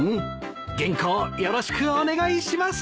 原稿よろしくお願いします。